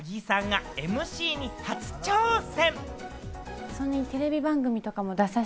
そんな八木さんがＭＣに初挑戦。